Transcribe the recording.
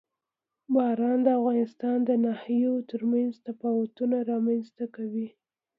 باران د افغانستان د ناحیو ترمنځ تفاوتونه رامنځ ته کوي.